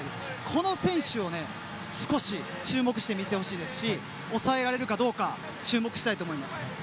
この選手に注目して見てほしいし抑えられるかどうか注目したいと思います。